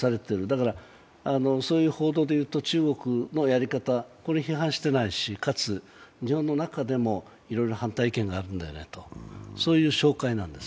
だからそういう報道でいうと中国のやり方批判してないし、かつ、日本の中でもいろいろ反対意見があるんだという紹介なんです。